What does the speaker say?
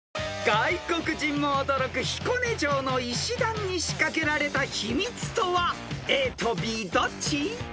［外国人も驚く彦根城の石段に仕掛けられた秘密とはＡとＢどっち？］